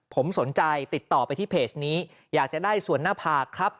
ผมสนใจติดต่อไปที่เพจนี้อยากจะได้ส่วนหน้าผากครับ